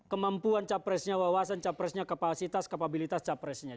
kemampuan capresnya wawasan capresnya kapasitas kapabilitas capresnya